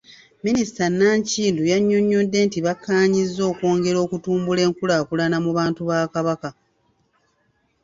Minisita Nankindu yannyonyodde nti bakkaanyizza okwongera okutumbula enkulaakulana mu bantu ba Kabaka.